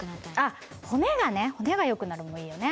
骨がね骨がよくなるのもいいよね。